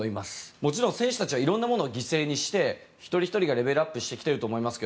もちろん選手たちは色々なものを犠牲にして一人ひとりがレベルアップしてきてると思いますが